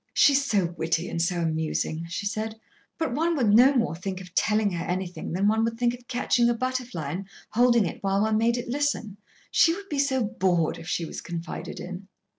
"She's so witty and so amusing," she said; "but one would no more think of telling her anything than one would think of catching a butterfly and holding it while one made it listen. She would be so bored if she was confided in."